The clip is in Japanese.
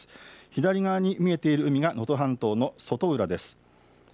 左側に見えている海が能登半島の外浦です。